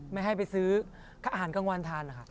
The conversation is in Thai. ไม่ให้ไปซื้ออาหารกลางวันทานนะคะ